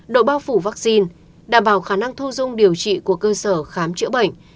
độ bao phủ vaccine đảm bảo khả năng thu dung điều trị của cơ sở khám chữa bệnh